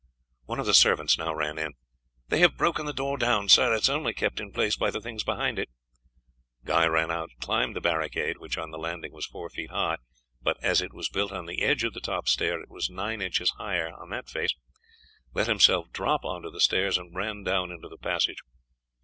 One of the servants now ran in. "They have broken the door down, sir. It is only kept in place by the things behind it." Guy ran out, climbed the barricade which on the landing was four feet high, but as it was built on the edge of the top stair it was nine inches higher on that face let himself drop on to the stairs, and ran down into the passage.